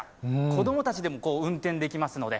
子供たちでも運転できますので。